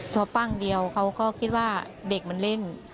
พอปั้งเดียวเขาก็คิดว่าเด็กมันเล่น